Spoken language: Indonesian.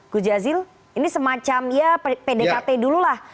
gus jazil ini semacam ya pdkt dulu lah